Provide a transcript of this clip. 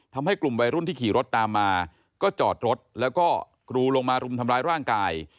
ทำให้กลุ่มวัยรุ่นที่ขี่รถตามมาก็จอดรถแล้วก็กรูลงมารุมทำร้ายร่างกาย